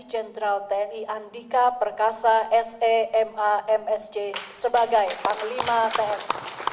jenderal tni andika perkasa semamsj sebagai panglima tni